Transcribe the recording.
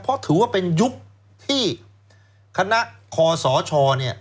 เพราะถือว่าเป็นยุคที่คณะคอสชเนี่ย